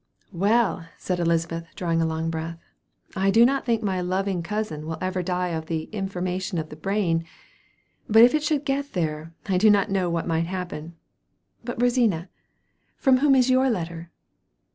"Well," said Elizabeth, drawing a long breath, "I do not think my loving cousin will ever die of the 'information of the brain;' but if it should get there, I do not know what might happen. But, Rosina, from whom is your letter?"